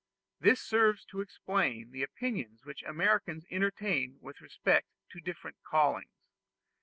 This serves to explain the opinions which the Americans entertain with respect to different callings.